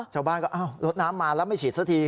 ชาวบ้านก็อ้าวลดน้ำมาแล้วไม่ฉีดซะที